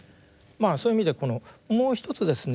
そういう意味でもう一つですね